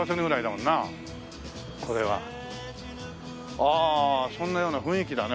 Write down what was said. ああそんなような雰囲気だね。